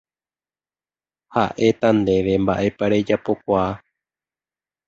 Ha'éta ndéve mba'épa rejapokuaa.